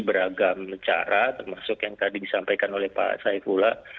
beragam cara termasuk yang tadi disampaikan oleh pak saifullah